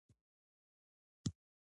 عدالت د ځانګړي چلند غوښتنه کوي.